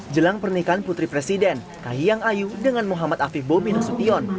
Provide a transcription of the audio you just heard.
jelang pernikahan putri presiden kahiyang ayu dengan muhammad afi bobi nasution